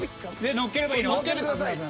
のっければいいの？